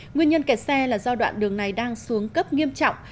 nguyên nhân kẹt xe là do đoạn đường này đang xuống cấp nghiêm trọng